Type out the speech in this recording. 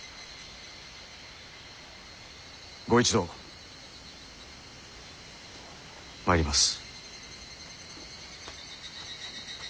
御一同参ります。